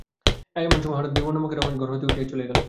এমন সময়ে হঠাৎ বিবর্ণমুখে রমেশ ঘর হইতে উঠিয়া চলিয়া গেল।